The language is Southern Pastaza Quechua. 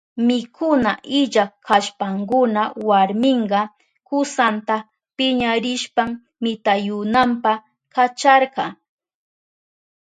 Mikuna illa kashpankuna warminka kusanta piñarishpan mitayunanpa kacharka.